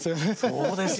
そうですよね。